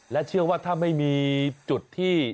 และเชื่อว่าถ้าไม่มีจุดที่